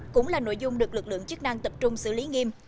cũng là nội dung được lực lượng chức năng tập trung xử lý nghiêm